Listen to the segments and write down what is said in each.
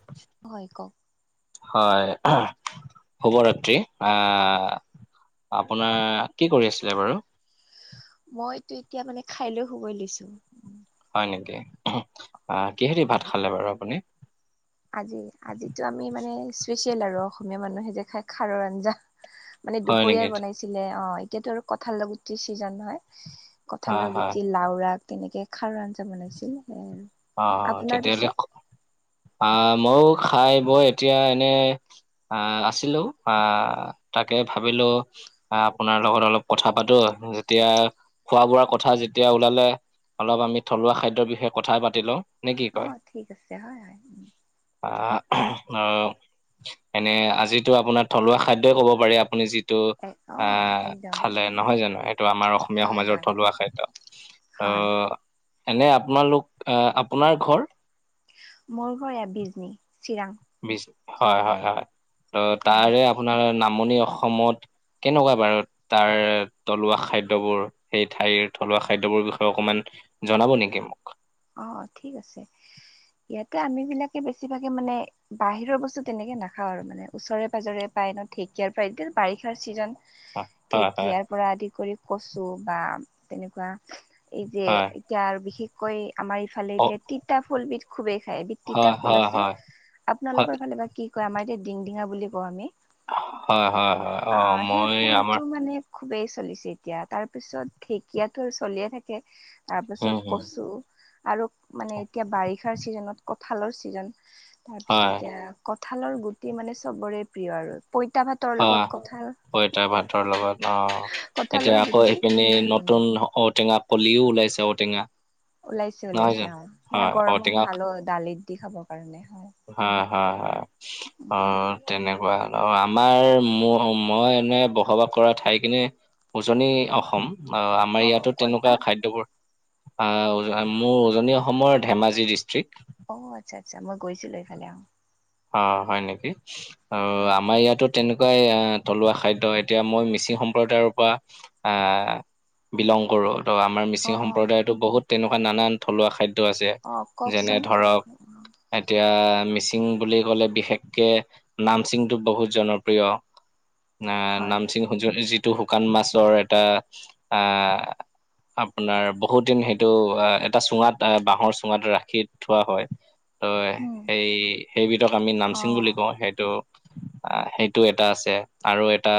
[unintelligible] হয় কওক হয় শুভৰাত্ৰি আহ আপোনাৰ কি কৰি আছিলে বাৰু? মইতো এতিয়া মানে খাই লৈ শুবই লৈছো। হয় নেকি, আ কিহেদি ভাত খালে বাৰু আপুনি? আজি আজিটো আমি মানে স্পেচিয়েল আৰু, অসমীয়া মানুহে যে খাই খাৰৰ আঞ্জা। মানে হয় নেকি? দুপৰীয়াই বনাইছিলে, অ', এতিয়াতো আৰু কঁঠালৰ গুটিৰ চিজন হয়। হয়, কঁঠালৰ হয়। গুটি, লাওৰা তেনেকে খাৰৰ আঞ্জা বনাইছিল সেয়াই। অ অ আপোনাৰ তেতিয়াহ'লে পিছে আহ ময়ো খাই বৈ এতিয়া এনে আহ আছিলো আহ তাকে ভাবিলো এ আপোনাৰ লগত অলপ কথা পাতো যেতিয়া খোৱা বোৱাৰ কথা যেতিয়া ওলালে অলপ আমি থলুৱা খাদ্যৰ বিষয়ে কথায়ে পাতি লও অ ঠিক আছে হয় হয় আ অ এনে আজিতো আপোনাৰ থলুৱা খাদ্যই ক'ব পাৰি আপুনি যি টো অ আহ একদম খালে উম নহয় জানো এইটো আমাৰ অসমীয়া হয় সমাজৰ হয় থলুৱা খাদ্য অ হয় এনে আপোনালোক আহ আপোনাৰ ঘৰ মোৰ ঘৰ এয়া বিজনি চিৰাং বিচ হয় হয় হয় ত অ তাৰে আপোনাৰ নামনি অসমত কেনেকুৱা বাৰু তাৰ থলুৱা খাদ্যবোৰ সেই ঠাইৰ থলুৱা খাদ্যবোৰ বিষয়ে অকমান জনাব নিকি মোক অ ঠিক আছে ইয়াতে আমি বিলাকে বেছিভাগে মানে বাহিৰৰ বস্তু তেনেকে নাখাওঁ আৰু মানে ওচৰে পাজৰে পায় ন ঢেঁকীয়াৰ পা এতিয়া বাৰিষাৰ ছিজন হয় হয় ঢেকীয়াৰ পৰা আদি কৰি কচু বা তেনেকুৱা এই যে হয় এতিয়া আৰু বিশেষকৈ আমাৰ ইফালে অ এতিয়া তিতা ফুলবিধ খুবেই খায় বি তিতা হয় ফুল হয় আছে হয় হয় আপোনালোকৰ ফালে বা কি কয় আমাৰ এতিয়া ডিংডিঙা বুলি কওঁ আমি হয় হয় হয় অ আ সেই মই ফুলটো আমাৰ মানে খুবেই চলিছে এতিয়া তাৰ পিছত ঢেকীয়াটো চলিয়ে থাকে উম তাৰপিছত হম কচু আৰু মানে এতিয়া বাৰিষাৰ ছিজনত কঠালৰ ছিজন তাৰপিছত হয় এতিয়া কঁঠালৰ গুটি মানে চবৰে প্ৰিয় আৰু পইতা ভাতৰ হয় লগত কঁঠাল পইতা ভাতৰ লগত অ এতিয়া কঁঠালৰ আকৌ গুটি সেইপিনি উম নতুন ঔটেঙা কলিও ওলাইছে ঔটেঙা ওলাইছে নহয় ওলাইছে জানো? অ সেয়া হয় গৰমত ঔটেঙা ভাল অ দালিত দি খাবৰ কাৰণে হয় হয় হয় হয় অ উম তেনেকুৱা হল আৰু আ আমাৰ ম মই এনে বসবাস কৰা ঠাই খিনি উজনি অসম অ আমাৰ ইয়াতো ক'ত তেনেকুৱা বা খাদ্যবোৰ আ উ মোৰ উজনি অসমৰ ধেমাজি ডিষ্ট্ৰিক্ট অ আচ্ছা আচ্ছা মই গৈছিলো এইফালে অহ অ হয় নিকি অ হয় আমাৰ ইয়াতো তেনেকুৱাই আ থলুৱা খাদ্য এতিয়া মই মিচিং সম্প্ৰদায়ৰ পৰা আ বিলং কৰোঁ ত আমাৰ মিচিং অ সম্প্ৰদায়তো বহুত তেনেকুৱা নানান থলুৱা খাদ্য টো আছে অ যেনে কওকচোন ধৰক কেনেকুৱা অ এতিয়া মিচিং বুলি ক'লে বিশেষকে নামচিং টো বহুত জনপ্ৰিয় আ হয় নামচিং যো যিটো শুকান মাছৰ এটা আহ আপোনাৰ বহুত দিন সেইটো এটা চুঙাত বাহৰ চুঙাত ৰাখি থোৱা হয় হয় উম সেই সেইবিধক আমি অ নামচিং বুলি কওঁ সেইটো আহ সেইটো এটা আছে আৰু এটা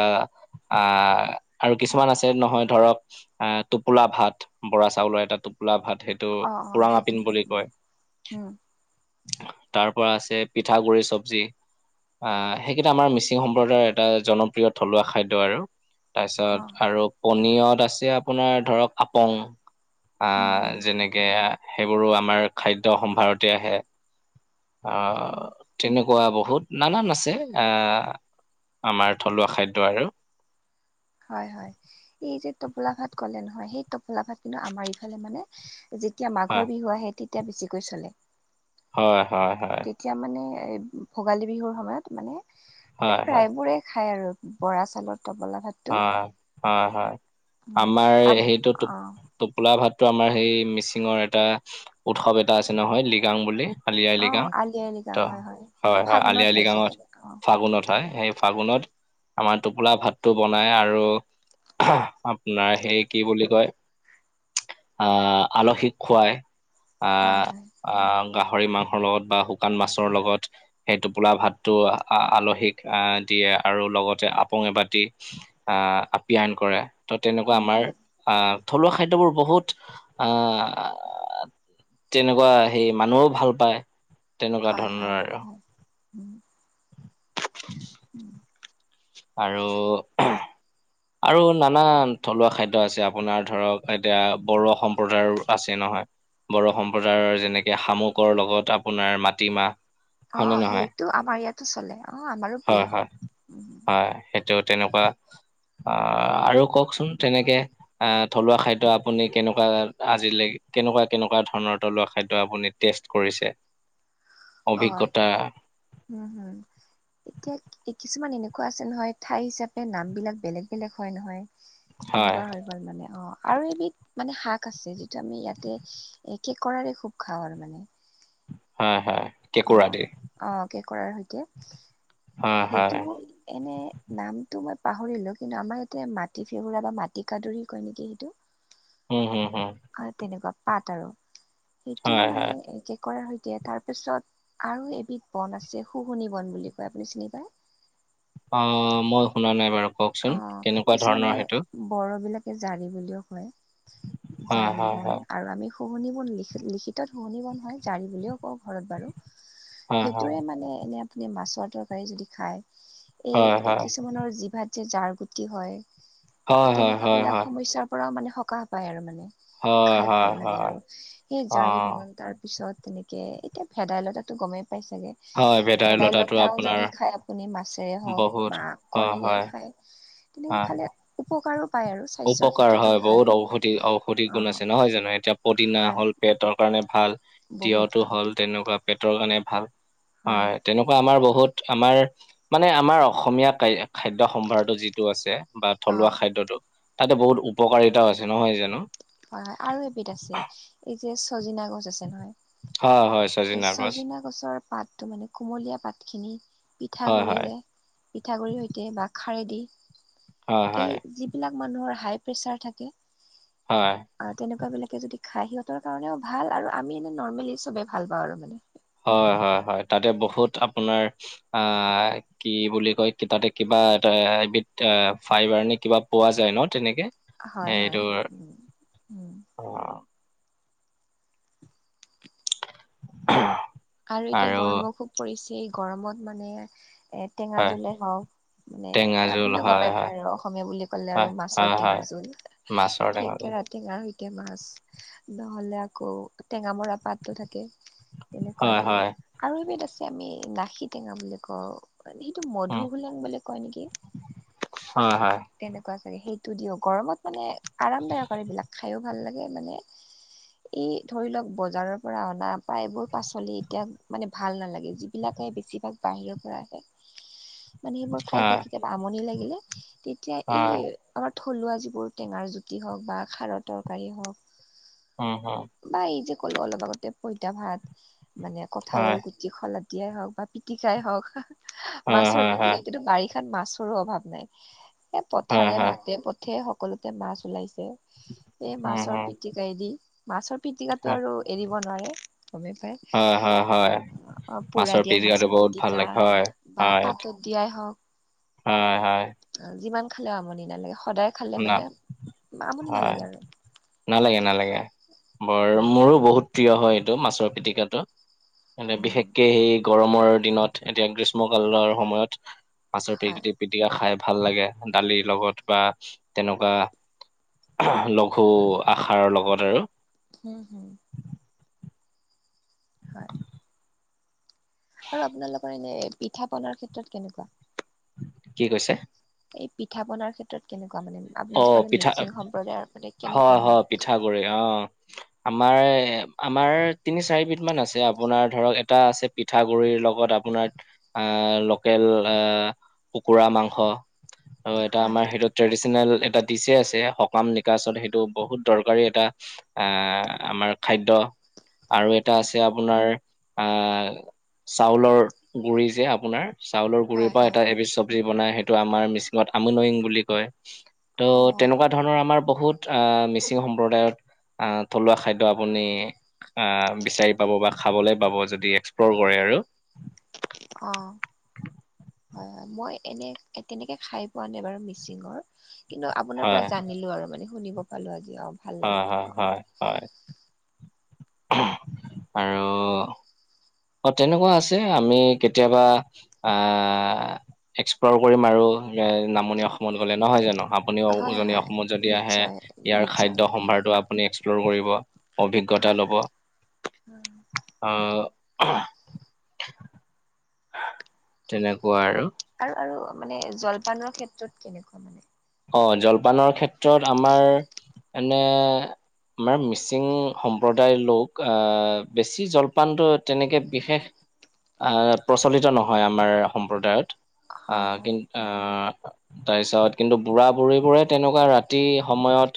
আহ আৰু কিছুমান আছে নহয় ধৰক আ টোপোলা ভাত বৰা চাউলৰ এটা টোপোলা ভাত সেইট এইটো অ অ পুৰাং সেইটো আপিং হয় বুলি উম কয় উম তা পৰা আছ যে পিঠাগুড়িৰ চব্জি আহ সেইকেইটা আমাৰ মিচিং সম্প্ৰদায়ৰ এটা জনপ্ৰিয় থলুৱা খাদ্য আৰু অ তাৰপিছত আৰু পনীয়ত আছে আপোনাৰ ধৰক আপং আ উম উম যেনেক কে আ সেইবোৰো আমাৰ খাদ্য সম্ভাৰতে আহে আহ অ তেনেকুৱা বহুত নানান আছে এ আমাৰ থলুৱা খাদ্য আৰু হয় হয় এই যে টোপোলা ভাত কলে নহয় সেই টোপোলা ভাত কিন্তু আমাৰ এইফালে মানে যেতিয়া হয় মাঘৰ বিহু আহে তেতিয়া বেছিকৈ চলে হয় হয় হয় তেতিয়া মানে এই ভোগালী বিহুৰ সময়ত মানে হয়, হয়, প্ৰায়বোৰে খাই আৰু বৰা চাউলৰ টোপোলা ভাত হয় হয় হয় উম আমাৰ আপ সেইটো তো অ টোপোলা ভাতটো আমাৰ সেই মিচিঙৰ এটা উৎসৱ এটা আছে নহয় লিগাং বুলি আলি আই অ লৃগাং আলি আই ত লৃগাং হয় হয় হয় আলি ফাগুনত আই চাগে লৃগাঙত অ ফাগুণত হয় সেই ফাগুণত আমাৰ টোপোলা ভাত টো বনাই আৰু আহ আপোনাৰ সেই কি বুলি কয় আহ আলহিক খোৱাই হয় আহ হয় আহ গাহৰি মাংসৰ লগত বা শুকান মাছৰ লগত সেই টোপোলা ভাতটো আ আলহীক আ দিয়ে আৰু লগতে আপং এবাতি আহ আপ্যায়ন কৰে ত তেনেকুৱা উম আমাৰ হম আহ থলুৱা খাদ্যবোৰ বহুত আহ তেনেকুৱা সেই মানুহো ভাল পায় তেনেকুৱা হয় হয় ধৰণৰ আৰু হয় উম [unintelligible] উম আৰু আৰু নানান থলুৱা খাদ্য আছে আপোনাৰ ধৰক এতিয়া বড়ো সম্প্ৰদায়ৰ আছে নহয় বড়ো সম্প্ৰদায়ৰ যেনেকে শামুকৰ লগত আপোনাৰ মাটিমাহ অ হয়নে নহয় সেইটো আমাৰ ইয়াতো চলে অ আমাৰো প্ৰিয় উম সেইটোও তেনেকুৱা অহ আৰু কওকচোন তেনেকে আহ থলুৱা খাদ্য আপুনি কেনেকুৱা আজিলে কেনেকুৱা কেনেকুৱা ধৰণৰ থলুৱা খাদ্য আপুনি টেষ্ট কৰিছে অত অভিজ্ঞতা হুম হুম এতিয়া কিছুমান এনেকুৱা আছে নহয় ঠাই হিচাপে নাম বিলাক বেলেগ বেলেগ হয় নহয় হয়, এনেকুৱা হৈ গ'ল মানে অ আৰু এইবিধ মানে শাক আছে যিটো আমি ইয়াতে এ কেকৰাৰে খুব খাওঁ আৰু মানে হয় হয় অ কেঁকুৰা দি। অ কেঁকোৰাৰ সৈতে হয়, হয়। সেইটো এনে নামটো মই পাহৰিলো কিন্তু আমাৰ ইয়াতে মাটি ফেগৰা বা মাটি কাদুৰি কয় নেকি সেইটো উম হুম হুম হয় তেনেকুৱা পাত আৰু সেইটোও হয়, মানে হয়। এ কৰাৰ সৈতে তাৰপিছত আৰু এবিধ বন আছে শুহুনি বন বুলি কয় আপুনি চিনি পায় অ মই শুনা নাই বাৰু কওকচোন কেনেকুৱা ধৰণৰ সেইটো বড়োবিলাকে জাৰি বুলিও কয় হয়, জাৰি হয়, বন হয়। আৰু আমি শুহুনি বন লিখ লিখিতত শুহুনি বন হয় জাৰি বুলিও কওঁ ঘৰত বাৰু হয়, হয়। সেইটোৱে মানে এনে আপুনি মাছৰ তৰকাৰী যদি খায় হয়, এই হয়। কিছুমানৰ জিভাত যে জাৰ গুটি হয় হয়, তেনেকুৱা হয়, বিলাক হয়। সমস্যা পৰাও মানে সকাহ পায় আৰু মানে হয়, খাই হয়, ভাল লাগে হয়। আৰু সেই জাৰি অ' বন তাৰপিছত তেনেকে এতিয়া ভেদাইলতা গমেই পাইছাগে। হয়, ভেদাইলতাটো ভেদাইলতাও আপোনাৰ যদি খাই আপুনি মাছেৰে হওক বহুত বা হয়, কণীৰে খ। হয়, খাই তেনেকে হয়। খালে। উপকাৰো পায় আৰু স্বাস্থ্যৰ উপকাৰ ক্ষেত্ৰতো হয় ভাল বহুত ঔষধি ঔষধি অ গুণ আছে নহয় জানো এতিয়া পদিনা হয় হ'ল। পেটৰ কাৰণে ভাল বহুত তিয়ঁতো ভাল হ'ল তেনেকুৱা পেটৰ কাৰণে ভাল। হয় তেনেকুৱা আমাৰ বহুত আমাৰ মানে আমাৰ অসমীয়া খাদ্য সম্ভাৰতো যিটো আছে। বা থলুৱা অ খাদ্্যতো তাতে বহুত উপকাৰিতাও আছে নহয় জানো হয় হয় আৰু এবিধ আছে এই যে চজিনা গছ আছে নহয়। হয় হয়। শচীন নাগজ ছজিনা গছৰ পাতটো মানে কুমলীয়া পাতখিনি হয়, হয়, পিঠাগু়িৰে। পিঠাগুড়িৰ সৈতে বা খাৰেদি হয়, হয়, এই যিবিলাক মানুহৰ হাই প্ৰেছাৰ থাকে। হয়। অ তেনেকুৱা বিলাকে যদি খাই সিহঁতৰ কাৰণেও ভাল আৰু আমি এনে নৰ্মেলি চবে ভাল পাওঁ আৰু মানে। হয় হয় হয় তাতে বহুত আপোনাৰ আ। কি বুলি কয় তাতে কিবা এটা এবিধ ফাইবাৰ নে কিবা পোৱা যায় ন তেনেকে। হয় হয়। এইটোৰ অ। অ। আৰু এতিয়া গৰমো খুব পৰিছে গৰমত মানে এ টেঙা হয় জোলে হওঁ। মানে টেঙা জোল আপুনিতটো হয়, গমেই হয়, পায় আৰু অসমীয়া বুলি ক'লে হয়, আৰু হয়, মাছৰ হয় টেঙাৰ জোল। মাছৰ। টেঙা জোল থেকেৰা টেঙাৰ সকে মাছ নহ'লে আকৌ টেঙ মৰা পাতো থাকে। তেনেকুৱা হয়, দি হয়, আৰু এবিধ আছে আমি লাখি টেঙা বুলি কওঁ। মে সেইটো উম, মধু হোলেং বোলে কয় নেকি। হয়, হয়। তেনেকুৱা চাগে সেইটো দিও গৰমত মানে আৰামদায়ক আৰু এইবিলাক খায়ো ভাল লাগে মানে। ই ধৰি লওক বজাৰৰ পৰা অনা প এইবোৰ পাছ। চ'লে এতিয়া মানে ভাল নালাগে যিবিলাকে বেছিভাগ বাহিৰৰ পৰা আহে। মানে সেইবোৰ খাই খাই কেতিয়াবা আমনি লাগিলে তেতিয়া এই আমাৰ। থলুৱা যিবোৰ টেঙাৰ জুতি হওক বা খাৰৰ তৰকাৰী হওক। অ হ। বা এই যে ক'লো অলপ আগতে পইতা ভাত। মানে কঁঠালৰ গুটি খলা দিয়াই হওক বা পিটিকাই হওক। মাছৰ প্তিক কিন্তু বাৰিষাত মাছৰো অভাৱ নাই। এই পথাৰে বাটে পথে সকলোতে মাছ ওলাইছে এই মাছৰ পিটিকা। এৰি মাছৰ পিটিকাতটো আৰু এৰিব নোৱাৰে গমে পাই। হয় হয় হয়। অ পোৰা দিয়া মাছৰ পিতিকা হয়, বা হয়, পাতত দিয়াই হওক। হয় হয়। যিমান খালেও আমনি নালাগে সদায় খালে না, মানে আমনি হয়, নালাগে আৰু। নালাগে নালাগে বৰ মোৰো বহুত। প্ৰিয় হয় এইটো মাছৰ পিটিকটো মই উম বিশেষকে সেই। গৰমৰ দিনত এতিয়া গ্ৰীষ্মকালৰ সময়ত আচাৰ হয় প্ৰকৃতি। পিটিকা খাই ভাল লাগে দালিৰ লগত বা। তেনেকুৱা লঘু আসাৰৰ লগত আৰু। হুম, হম। হয়। আৰু আপোনালোকৰ এনেই পিঠা পনাৰ ক্ষেত্ৰত কেনেকুৱা? কি কৈছে? এই পিঠা পনাৰ ক্ষেত্ৰত কেনেকুৱা মানে আপুনি যে অ', কলে পিঠা মিচিং সম্প্ৰদায়ৰ কেনেকুৱা মানে? পৰে অঁ। আমাৰ আমাৰ তিনি চাৰি বিধ মান আছে। আপোনাৰ ধৰক এটা আছে- পিঠাগুৰিৰ লগত আপোনাৰ আহ লোকেল আহ কুকুৰা মাংস। আৰু এটা হয় আমাৰ সেইটো ট্ৰেডিচনেল- এটা টিছে আছে সকাম নিকাচত সেইটো বহুত দৰকাৰী এটা- আহ আমাৰ খাদ্য। আৰু এটা আছে আপোনাৰ- আহ চাউলৰ গুৰি যে আপোনাৰ চাউলৰ গুৰিৰ হয় পৰা হয় এটা এবিধ- বনাই সেইটো আমাৰ মিচিঙত আমনয়ং বুলি কয়। ত' অ তেনেকুৱা- ধৰণৰ আমাৰ বহুত আহ মিচিং সম্প্ৰদায়ত আহ থলুৱা খাদ্য আপুনি আহ বিচাৰি পাব বা খাবলৈ পাব যদি এক্সপ্লৰ কৰে আৰু। অঁ। হয় হয়। মই এনেই তেনেকে খাই পোৱা নাই বাৰু মিচিংঙৰ। কিন্তু আপোনাৰ পৰা হয় জানিলো আৰু মানে শুনিব পালো আজি অ। ভাল হয় লাগিল হয় অ হয় হয়। আৰু অ তেনেকুৱা আছে। আমি কেতিয়াবা আহ- এক্সপ্লৰ কৰি মাৰো নামনি অসমত গ'লে নহয় জানো। আপনি হয় উজনি হয় অসমত যদি আহে নিশ্চয় ইয়াৰ নিশ্চয় খাদ্য সম্ভাৰটো আপুনি এক্সপ্ল'ৰ কৰিব। অভিজ্ঞতা লব। উম। আহ', তেনেকুৱা আৰু। আৰু আৰু মানে জলপানৰ ক্ষেত্ৰত কেনেকুৱা মানে? অ', জলপানৰ ক্ষেত্ৰত আমাৰ মানে- আমাৰ মিচিং সম্প্ৰদায়ৰ লোক বেছি জলপানটো তেনেকৈ বিশেষ- আহ প্ৰচলিত নহয় আমাৰ সম্প্ৰদায়ত। হয় আহ হয় কিন্ত আহ তাৰপিছত- কিন্তু বুঢ়া-বুঢ়ী বোৰে তেনেকুৱা ৰাতি সময়ত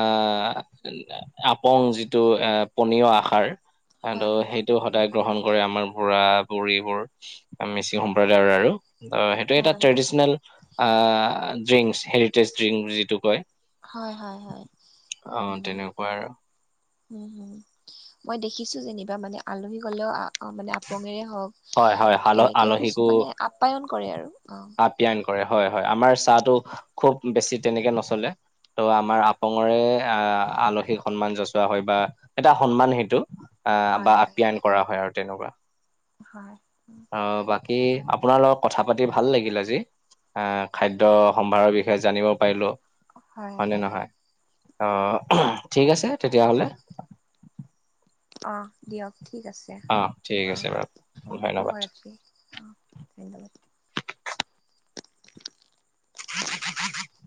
আহ- আপং যিটো এ পনীয় আহাৰ হয় ত' হয় সেইটো- সদায় গ্ৰহণ কৰে আমাৰ বুঢ়া-বুঢ়ীবোৰ মিচিং সম্প্ৰদায়ৰ আৰু। ত' সেইটোয়ে এটা হয় traditional ah drink heritage drink যিটো কয়। হয় হয় হয়। অ উম, তেনেকুৱা আৰু হম। মই দেখিছো যেনিবা মানে আলহী গ'লেও- আহ মানে আপঙেৰে হওঁক হয় হয় আল তেনেকে হোচ আলহীকো মানে আপ্যায়ন কৰে আৰু অঁ। ব্যয়ায়ন কৰে হয় হয়। আমাৰ চাহটো খুব বেছি তেনেকে নচলে। ত' আমাৰ আপঙৰে আহ আলহীক সন্মান যচোৱা হয় বা- এটা সন্মান সেইটো আহ হয় বা হয় আপ্যায়ন কৰা হয় আৰু তেনেকুৱা। হয়, উমঁ। অ বাকী আপোনাৰ লগত কথা পাতি ভাল লাগিল আজি। আহ খাদ্য সম্ভাৰৰ বিষয়ে জানিব পাৰিলোঁ। হয় নে নহয়। উম আহ ঠিক আছে তেতিয়া হ'লে। অহ দিয়ক ঠিক আছে অ ঠিক অ আছে বাৰু অ ধন্যবাদ শুভৰাত্ৰি অ ধন্যবাদ [unintelligible]